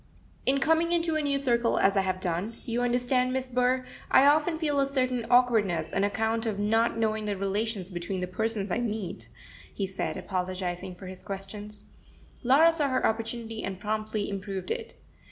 "In coming into a new circle as I have done, you understand, Miss Burr, I often feel a certain awkwardness on account of not knowing the relations between the persons I meet," he said, apologizing for his questions. Laura saw her opportunity, and promptly improved it.